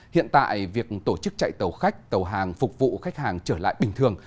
hiện tại việc tổ chức chạy tàu khách tàu hàng phục vụ khách hàng trở lại bình thường